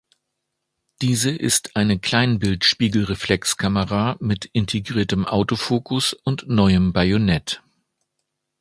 Diese ist eine Kleinbildspiegelreflexkamera mit integriertem Autofokus und neuem Bajonett.